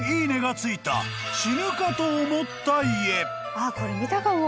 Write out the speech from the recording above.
あっこれ見たかも。